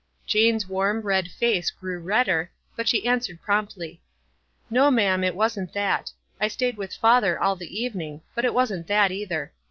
Jane's warm, red face grew redder, but she answered, promptly, — "No, ma'am, it wasn't that. I stayed with father all the evening ; but it wasn't that either.